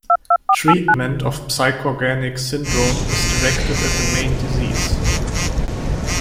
Treatment of psychorganic syndrome is directed at the main disease.